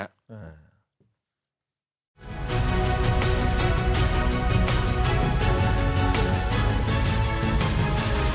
โปรดติดตามตอนต่อไป